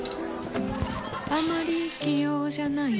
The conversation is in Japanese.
あまり器用じゃないほうです。